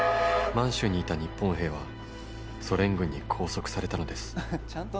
「満州にいた日本兵はソ連軍に拘束されたのです」